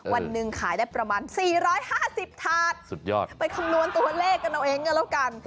วันหนึ่งขายได้ประมาณ๔๕๐ถาดสุดยอดไปคำนวณตัวเลขกันเอาเองก็แล้วกัน